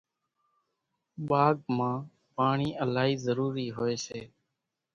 ٻاگھ مان پاڻِي الائِي ضرورِي هوئيَ سي۔